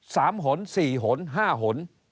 หนสี่หนห้าหน